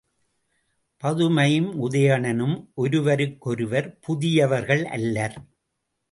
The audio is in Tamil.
பதுமையும் உதயணனும் ஒருவருக்கொருவர் புதியவர்கள் அல்லர்.